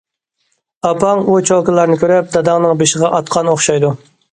ئاپاڭ ئۇ چوكىلارنى كۆرۈپ داداڭنىڭ بېشىغا ئاتقان ئوخشايدۇ.